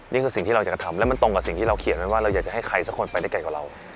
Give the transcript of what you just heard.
นี่คือสิ่งที่เราอยากจะทำแล้วมันตรงกับสิ่งที่เราเขียนไว้ว่าเราอยากจะให้ใครสักคนไปได้ไกลกว่าเรา